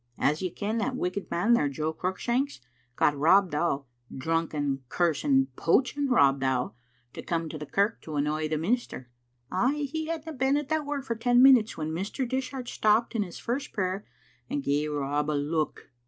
• As you ken, that wicked man there, Jo Cruickshanks, got Rob Dow, drucken, cursing, poaching Rob Dow, to come to the kirk to annoy the minister. Ay, he hadna been at that work for ten minutes when Mr. Dishart stopped in his first prayer and ga'e Rob a look.